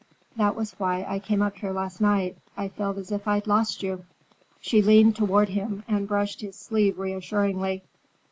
That was why I came up here last night. I felt as if I'd lost you." She leaned toward him and brushed his sleeve reassuringly.